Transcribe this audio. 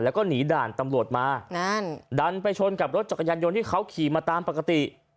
แล้วก็หนีด่านตำรวจมานั่นดันไปชนกับรถจักรยานยนต์ที่เขาขี่มาตามปกติ